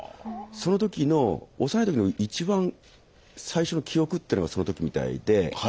その時の幼い時の一番最初の記憶っていうのがその時みたいで。